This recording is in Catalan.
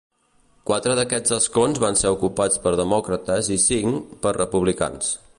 Quatre d'aquests escons van ser ocupats per demòcrates i cinc, per republicans.